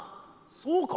そうか？